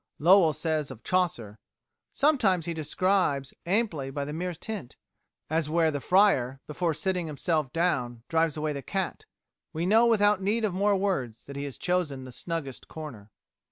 Lowell says of Chaucer, "Sometimes he describes amply by the merest hint, as where the Friar, before sitting himself down, drives away the cat. We know without need of more words that he has chosen the snuggest corner."